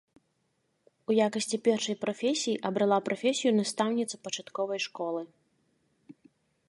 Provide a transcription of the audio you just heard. У якасці першай прафесіі абрала прафесію настаўніцы пачатковай школы.